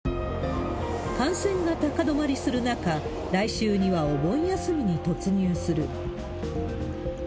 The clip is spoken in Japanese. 感染が高止まりする中、来週にはお盆休みに突入する。